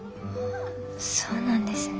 そうなんですね。